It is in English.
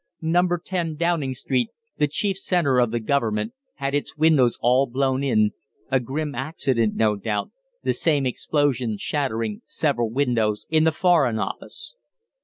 Number 10, Downing Street, the chief centre of the Government, had its windows all blown in a grim accident, no doubt the same explosion shattering several windows in the Foreign Office.